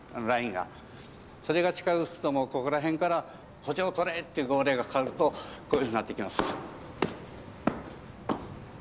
それが近づくともうここら辺から「歩調とれ」っていう号令がかかるとこういうふうになってきます。